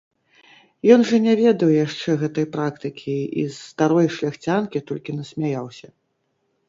Ён жа не ведаў яшчэ гэтай практыкі і з старой шляхцянкі толькі насмяяўся.